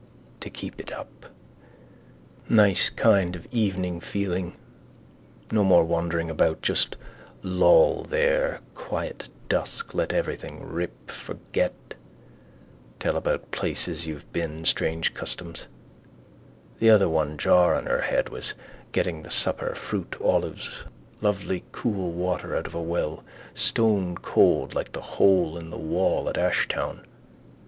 To keep it up. Nice kind of evening feeling. No more wandering about. Just loll there: quiet dusk: let everything rip. Forget. Tell about places you have been, strange customs. The other one, jar on her head, was getting the supper: fruit, olives, lovely cool water out of a well, stonecold like the hole in the wall at Ashtown.